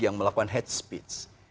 yang melakukan head speech